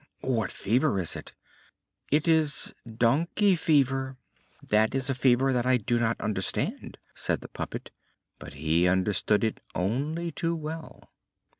"What fever is it?" "It is donkey fever." "That is a fever that I do not understand," said the puppet, but he understood it only too well.